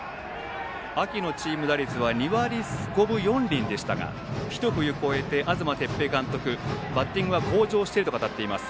秋のチーム打率は２割５分４厘でしたがひと冬越えて東哲平監督バッティングは向上していると語っています。